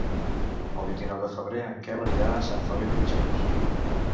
El vint-i-nou de febrer en Quel anirà a Sant Feliu de Guíxols.